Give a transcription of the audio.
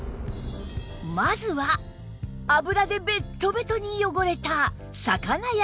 まずは油でベットベトに汚れた魚焼きグリル